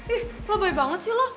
ih lo baik banget sih lo